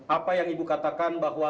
apa yang ibu katakan bahwa